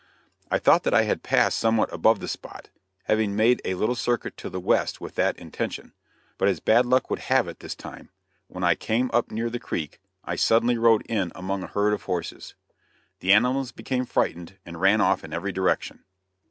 I thought that I had passed somewhat above the spot, having made a little circuit to the west with that intention; but as bad luck would have it this time, when I came up near the creek I suddenly rode in among a herd of horses. The animals became frightened and ran off in every direction.